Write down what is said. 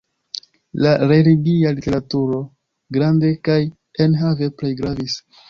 La religia literaturo grande kaj enhave plej gravis.